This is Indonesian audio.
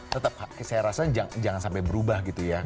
tetap saya rasa jangan sampai berubah gitu ya